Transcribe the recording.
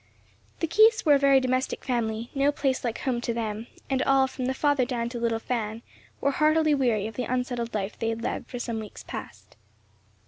The Keiths were a very domestic family; no place like home to them; and all, from the father down to little Fan, were heartily weary of the unsettled life they had led for some weeks past.